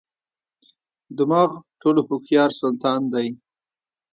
دماغ ټولو هوښیار سلطان دی.